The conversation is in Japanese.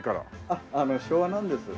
あっ昭和なんです。